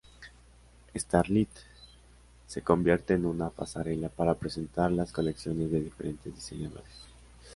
Starlite se convierte en una pasarela para presentar las colecciones de diferentes diseñadores.